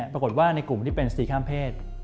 ปรากฏว่าในกลุ่มที่เป็นสีข้ามเพศ